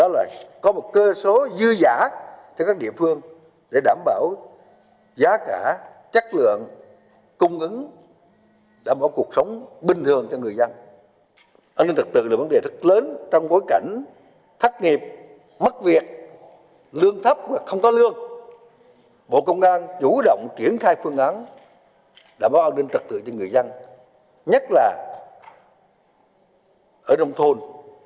lương thấp và không có lương bộ công an chủ động triển khai phương án đảm bảo an ninh trật tự cho người dân nhất là ở trong thôn